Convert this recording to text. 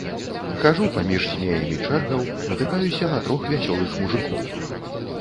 Хаджу паміж змеямі чэргаў, натыкаюся на трох вясёлых мужыкоў.